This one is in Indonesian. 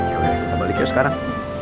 yaudah kita balik yuk sekarang